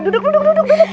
duduk duduk duduk